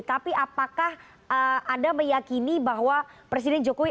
tapi apakah anda meyakini bahwa presiden jokowi